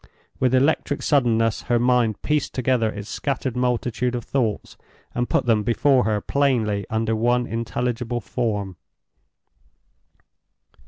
With electric suddenness her mind pieced together its scattered multitude of thoughts, and put them before her plainly under one intelligible form.